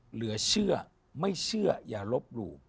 เหลือเชื่อไม่เชื่ออย่าลบหลู่